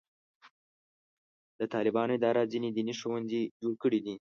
د طالبانو اداره ځینې دیني ښوونځي جوړ کړي دي.